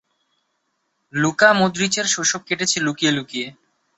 Luka মদরিচের শৈশব কেটেছে লুকিয়ে লুকিয়ে।